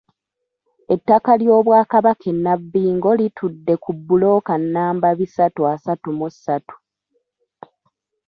Ettaka ly'Obwakabaka e Nabbingo litudde ku bbulooka nnamba bisatu asatu mu ssatu.